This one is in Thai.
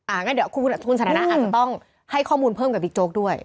งั้นเดี๋ยวคุณสันทนาอาจจะต้องให้ข้อมูลเพิ่มกับบิ๊กโจ๊กด้วย